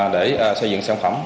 để xây dựng sản phẩm